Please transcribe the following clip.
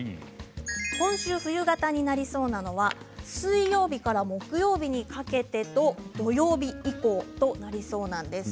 今週、冬型になりそうなのは水曜日から木曜日にかけてそれと土曜日以降になります。